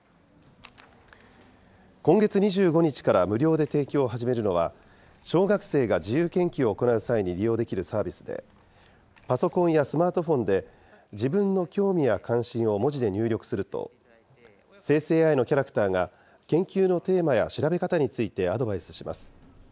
今月２５日から無料で提供を始めるのは、小学生が自由研究を行う際に利用できるサービスで、パソコンやスマートフォンで自分の興味や関心を文字で入力すると、生成ＡＩのキャラクターが研究のテーマや調べ方についてアドバイスします。